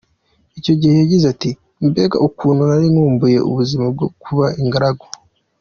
Icyo gihe yagize ati “Mbega ukuntu nari nkumbuye ubuzima bwo kuba ingaragu.